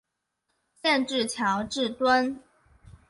县治乔治敦。